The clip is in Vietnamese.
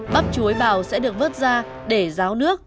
bắp chuối bào sẽ được vớt ra để ráo nước